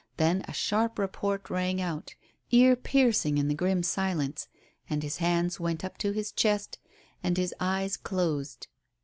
Then a sharp report rang out, ear piercing in the grim silence, and his hands went up to his chest and his eyes closed.